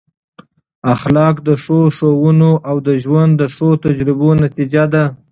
اخلاق د ښو ښوونو او د ژوند د ښو تجربو نتیجه ده.